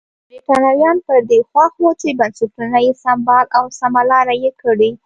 برېټانویان پر دې خوښ وو چې بنسټونه یې سمبال او سمه لار یې کړي.